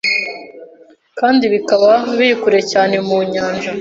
kandi kikaba kiri kure cyane mu Nyanja